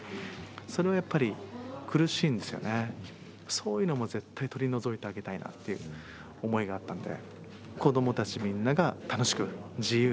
そういうのも絶対取り除いてあげたいなっていう思いがあったんで。